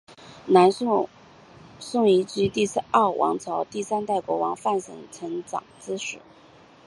南朝宋及林邑国第三王朝第三代国王范神成之长史。